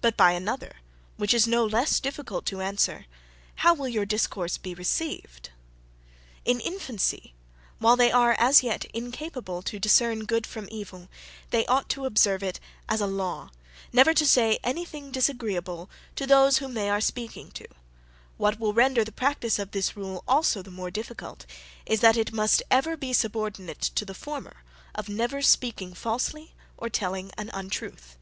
but by another, which is no less difficult to answer, 'How will your discourse be received?' In infancy, while they are as yet incapable to discern good from evil, they ought to observe it as a law, never to say any thing disagreeable to those whom they are speaking to: what will render the practice of this rule also the more difficult, is, that it must ever be subordinate to the former, of never speaking falsely or telling an untruth."